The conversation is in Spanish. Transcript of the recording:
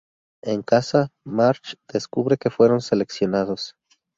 En casa, Marge descubre que fueron seleccionados.